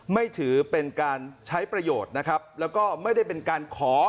ไม่ถือเป็นการใช้ประโยชน์นะครับแล้วก็ไม่ได้เป็นการขอ